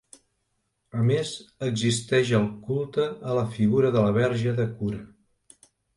A més existeix el culte a la figura de la Verge de Cura.